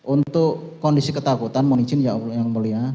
untuk kondisi ketakutan mohon izin ya yang mulia